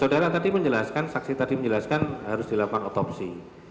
saudara tadi menjelaskan saksi tadi menjelaskan harus dilakukan otopsi